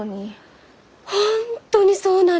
本当にそうなんです！